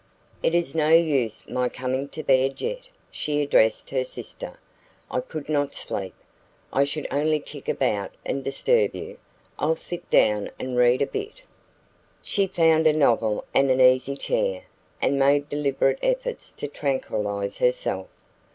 "It is no use my coming to bed yet," she addressed her sister. "I could not sleep. I should only kick about and disturb you. I'll sit down and read a bit." She found a novel and an easy chair, and made deliberate efforts to tranquillise herself.